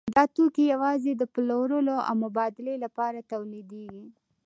دا توکي یوازې د پلورلو او مبادلې لپاره تولیدېږي